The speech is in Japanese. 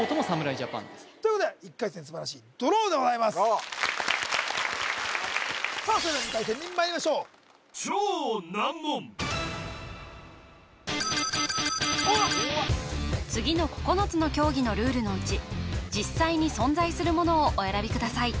ジャパンですということで素晴らしいドローさあそれでは２回戦にまいりましょう次の９つの競技のルールのうち実際に存在するものをお選びください